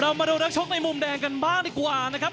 มาดูนักชกในมุมแดงกันบ้างดีกว่านะครับ